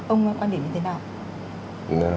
ông quan điểm như thế nào